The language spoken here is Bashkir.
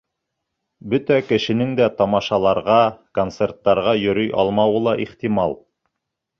Бөтә кешенең дә тамашаларға, концерттарға йөрөй алмауы ла ихтимал.